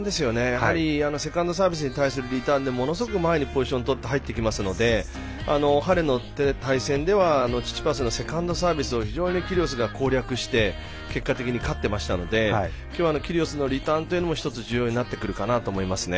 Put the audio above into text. やはり、セカンドサービスに対する、リターンでものすごく前にポジションとって前に入ってきますのでハレの対戦ではチチパスのセカンドサービスを非常にキリオスが攻略して結果的に勝ってますのできょうは、キリオスのリターンというのも重要になってくるかなと思いますね。